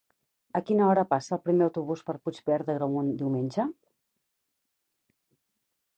A quina hora passa el primer autobús per Puigverd d'Agramunt diumenge?